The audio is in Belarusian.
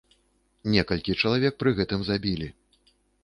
Некалькі чалавек пры гэтым забілі.